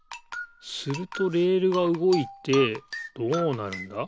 するとレールがうごいてどうなるんだ？